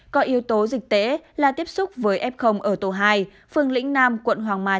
có yếu tố dịch tễ là tiếp xúc với f ở tổ hai phương lĩnh nam quận hoàng mai